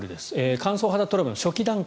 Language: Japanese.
乾燥肌トラブルの初期段階。